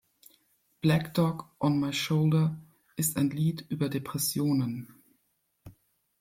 Black Dog On My Shoulder ist ein Lied über Depressionen.